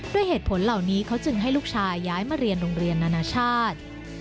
ด้วยเหตุผลเหล่านี้เขาจึงให้ลูกชายย้ายมาเรียนโรงเรียนนานาชาติ